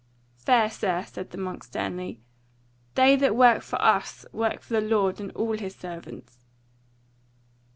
"Fair sir," said the monk sternly, "they that work for us work for the Lord and all his servants."